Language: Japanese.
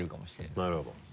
なるほど。